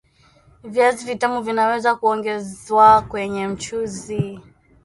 Viazi vitamu vinaweza Kuongezwa kwenye mchuzi